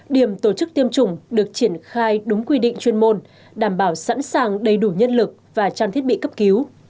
điểm tổ chức tiêm chủng được triển khai đúng quy định chuyên môn đảm bảo sẵn sàng đầy đủ nhân lực và trang thiết bị cấp cứu